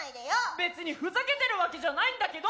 別にふざけてるわけじゃないんだけど！